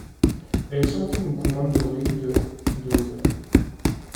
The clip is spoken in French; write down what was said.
Elle est surmontée d'une couronne dorée de de hauteur.